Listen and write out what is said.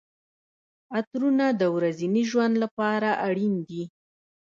عطرونه د ورځني ژوند لپاره اړین دي.